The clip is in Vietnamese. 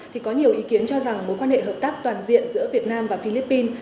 thì có nhiều ý kiến cho rằng mối quan hệ hợp tác toàn diện giữa việt nam và philippines